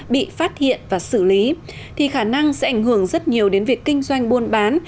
bị phát hiện và xử lý thì khả năng sẽ ảnh hưởng rất nhiều đến việc kinh doanh buôn bán